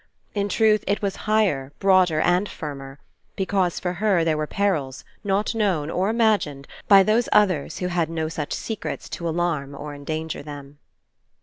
In truth, it was higher, broader, and firmer; because for her there were perils, not known, or imagined, by those others who had no such secrets to alarm or endanger them.